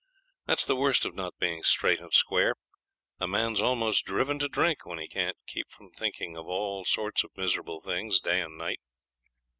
That's the worst of not being straight and square. A man's almost driven to drink when he can't keep from thinking of all sorts of miserable things day and night.